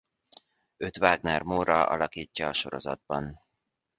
Őt Wagner Moura alakítja a sorozatban.